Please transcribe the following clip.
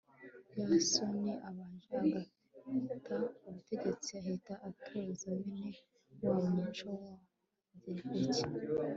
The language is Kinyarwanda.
yasoni abaye agifata ubutegetsi ahita atoza bene wabo umuco w'abagereki